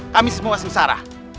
kami semua sengsara